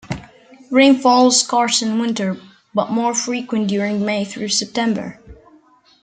Rainfall is scarce in winter, but more frequent during May through September.